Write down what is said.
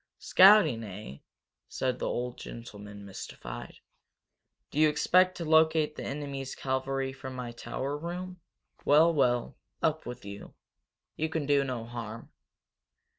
"Scouting, eh?" said the old gentleman, mystified. "Do you expect to locate the enemy's cavalry from my tower room? Well, well up with you. You can do no harm."